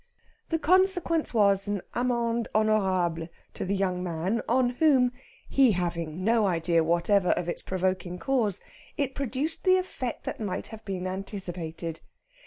The consequence was an amende honorable to the young man, on whom he having no idea whatever of its provoking cause it produced the effect that might have been anticipated.